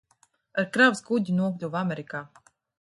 Ar kravas kuģi nokļuva Amerikā.